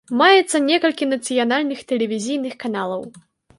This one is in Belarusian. Маецца некалькі нацыянальных тэлевізійных каналаў.